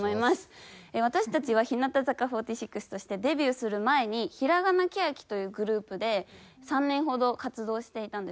私たちは日向坂４６としてデビューする前にひらがなけやきというグループで３年ほど活動していたんですね。